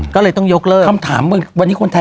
ก็เลยต้องยกเลิกคำถามวันนี้คนไทย